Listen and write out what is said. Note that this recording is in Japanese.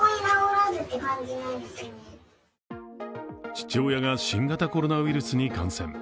父親が新型コロナウイルスに感染。